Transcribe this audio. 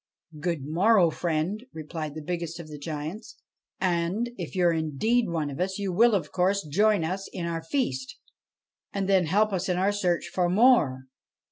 ' Good morrow, friend 1 ' replied the biggest of the giants. ' And, if you 're indeed one of us, you will, of course, join us in our feast, and then help us in our search for more.'